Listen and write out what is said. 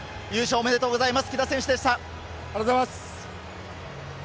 おめでとうございます！